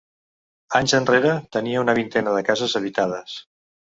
Anys enrere tenia una vintena de cases habitades.